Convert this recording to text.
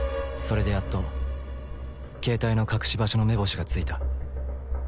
それでやっと携帯の隠し場所の目星がついた。